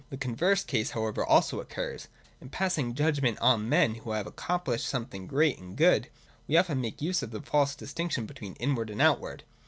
The converse case however also occurs. In passing judg ment on men who have accomplished something great and good, we often make use of the false distinction between inward and outward.